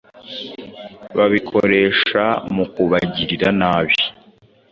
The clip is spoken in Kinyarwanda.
babikoresha mu kubagirira nabi'.